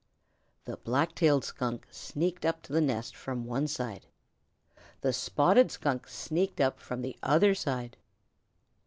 The Black tailed Skunk sneaked up to the nest from one side. The Spotted Skunk sneaked up from the other side.